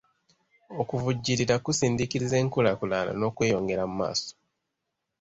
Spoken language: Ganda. Okuvujjirira kusindiikiriza enkulaakulana n'okweyongera mu maaso.